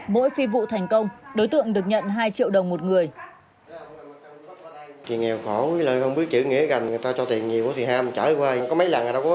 mỗi phi vụ thành công đối tượng được nhận hai triệu đồng một người